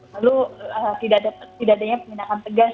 lalu tidak ada peminatkan tegas